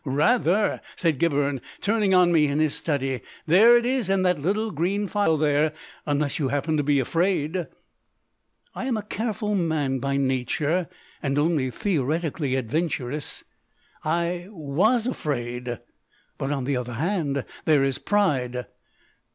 "Rather," said Gibberne, turning on me in his study. "There it is in that little green phial there! Unless you happen to be afraid?" I am a careful man by nature, and only theoretically adventurous. I WAS afraid. But on the other hand there is pride.